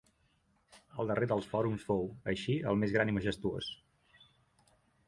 El darrer dels Fòrums fou, així, el més gran i majestuós.